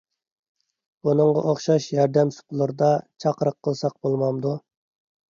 بۇنىڭغا ئوخشاش ياردەم سۇپىلىرىدا چاقىرىق قىلساق بولمامدۇ؟